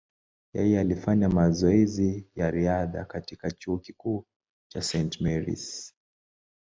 Yeye alifanya mazoezi ya riadha katika chuo kikuu cha St. Mary’s.